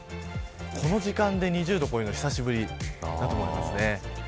この時間で２０度を超えるのは久しぶりだと思いますね。